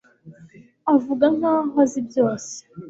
Avuga nkaho azi byose